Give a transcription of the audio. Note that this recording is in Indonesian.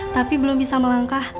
tapi belum bisa melangkah